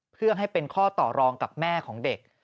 เพื่อให้เป็นข้อต่อรองกับแม่ของเด็ก